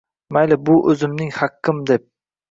Mayli, bu o`zimning haqqim deb